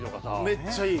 めっちゃいい。